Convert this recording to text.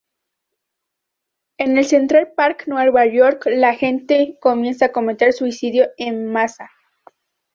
En Central Park, Nueva York, la gente comienza a cometer suicidio en masa.